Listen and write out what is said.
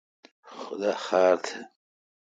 خدا خار تھہ۔